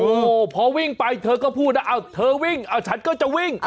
โอ๊ยพอวิ่งไปเธอก็พูดว่าสัจก็จะวิ่ง